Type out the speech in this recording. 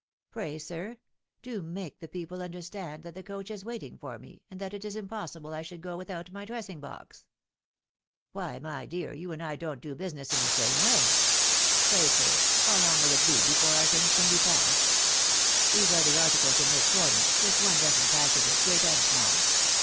Pray, sir, do make the people understand that the coach is waiting for me, and that it is impossible I should go without my dressing box!" " Why, my dear, you and I don't do business in the same way. Pray, sir, how long will it be before our ihiags can be passed ? These are the articles in this corner — just one dozen j)ackages, great and small.